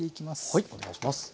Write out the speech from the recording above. はいお願いします。